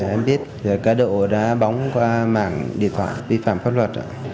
em biết cá độ đá bóng qua mạng điện thoại vi phạm pháp luật